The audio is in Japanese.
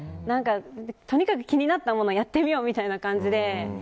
とにかく気になったものはやってみようみたいな感じで。